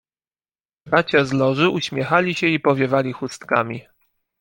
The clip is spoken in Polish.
"Bracia z Loży uśmiechali się i powiewali chustkami."